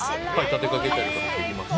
立てかけたりする事もできますし。